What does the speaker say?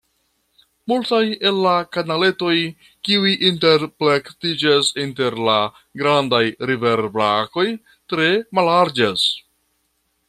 Multaj el la kanaletoj, kiuj interplektiĝas inter la grandaj riverbrakoj, tre mallarĝas.